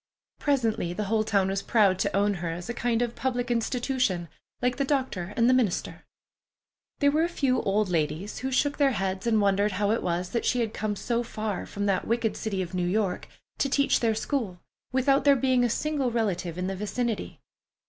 Presently the whole town was proud to own her as a kind of public institution, like the doctor and the minister. There were a few old ladies who shook their heads and wondered how it was that she had come so far, from that wicked city of New York, to teach their school, without there being a single relative in the vicinity.